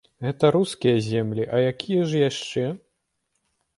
Гэта рускія землі, а якія ж яшчэ?